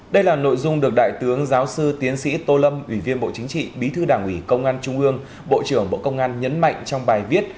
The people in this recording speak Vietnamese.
đây là nội dung được đại tướng giáo sư tiến sĩ tô lâm ủy viên bộ chính trị bí thư đảng ủy công an trung ương bộ trưởng bộ công an nhấn mạnh trong bài viết